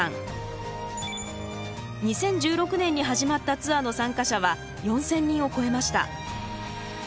２０１６年に始まったツアーの参加者は４，０００人を超えました。